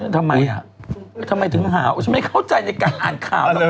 ทำไมอ่ะทำไมถึงหาวฉันไม่เข้าใจในการอ่านข่าวหรอก